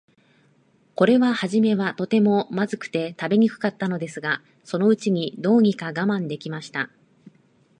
これははじめは、とても、まずくて食べにくかったのですが、そのうちに、どうにか我慢できました。